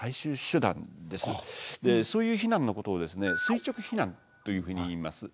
そういう避難のことを「垂直避難」というふうにいいます。